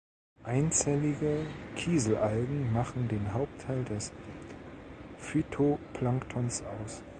Einzellige Kieselalgen machen den Hauptteil des Phytoplanktons aus.